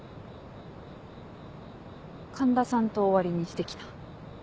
環田さんと終わりにしてきた。